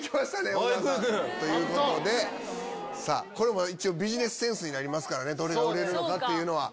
小澤さん、ということで、さあ、これも一応、ビジネスセンスになりますからね、どれが売れるかっていうのは。